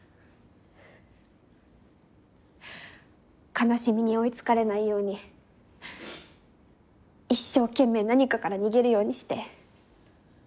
悲しみに追い付かれないように一生懸命何かから逃げるようにして。